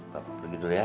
bapak pergi dulu ya